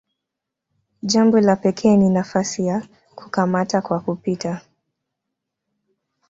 Jambo la pekee ni nafasi ya "kukamata kwa kupita".